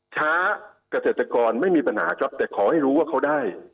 ถ้าเกิดเกษตรกรไม่มีปัญหาครับแต่ขอให้รู้ว่าเขาได้